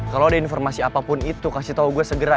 kalau ada informasi apapun itu kasih tau gue segera